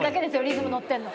リズム乗ってんの。